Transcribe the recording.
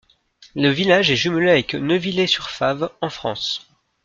Le village est jumelé avec Neuvillers-sur-Fave, en France.